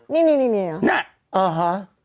นี่เนี่ยหรอน่ะอ่าฮะ